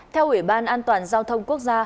theo ủy ban an toàn giao thông quốc gia